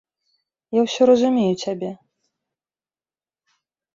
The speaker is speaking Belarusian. Я ўсё разумею цябе.